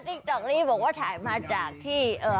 ติ๊กต๊อกนี้บอกว่าถ่ายมาจากที่